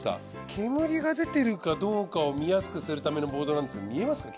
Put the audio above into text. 煙が出てるかどうかを見やすくするためのボードなんですけど見えますか？